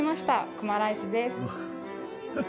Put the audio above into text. くまライスです。